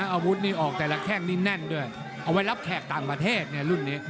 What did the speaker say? อาวุธนี่ออกแต่ละแข้งนี่แน่นด้วยเอาไว้รับแขกต่างประเทศไงรุ่นนี้